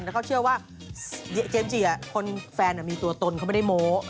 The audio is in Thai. แล้วเขาเชื่อว่าเจมส์จีคนแฟนมีตัวตนเขาไม่ได้โม้